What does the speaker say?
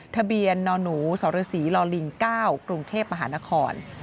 ทะเบียนนอนูสรษีลอลิงเก้ากรุงเทพฯมหานคร